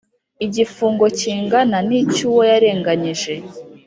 igifungo kingana n icyo uwo yarenganyije